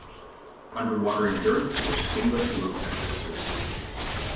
Underwater endurance was similar to her predecessors.